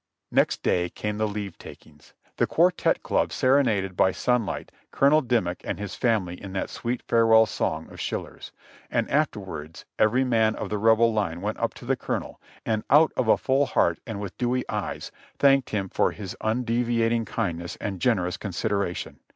Next day came the leave takings. The "Quartette Club" ser enaded by sunlight Colonel Dimmock and his family in that sweet farewell song of Schiller's; and afterwards every man of the Rebel line went up to the Colonel, and out of a full heart and with dewy eyes thanked him for his undeviating kindness and generous consideration.